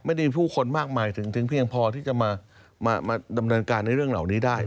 ไม่มีผู้คนมากมายถึงเพียงพอที่จะมาดำเนินการในเรื่องเหล่านี้ได้